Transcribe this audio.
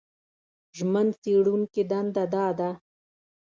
ژمن څېړونکي دنده دا ده